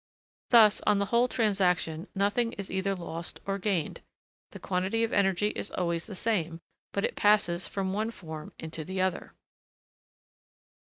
Thus, on the whole transaction, nothing is either lost or gained; the quantity of energy is always the same, but it passes from one form into the other.